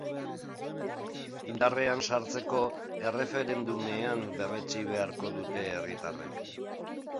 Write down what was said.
Indarrean sartzeko, erreferendumean berretsi beharko dute herritarrek.